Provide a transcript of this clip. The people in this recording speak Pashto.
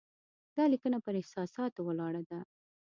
دا لیکنه پر احساساتو ولاړه ده.